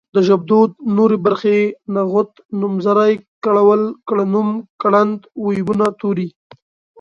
د ژبدود نورې برخې نغوت نومځری کړول کړنوم کړند وييونه توري